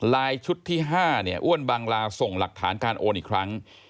ลายชุดที่๕อ้วนบังราส่งหลักฐานการโอนอีกครั้ง